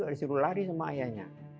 fino juga disuruh lari sama ayahnya